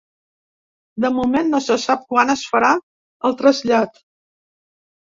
De moment, no se sap quan es farà el trasllat.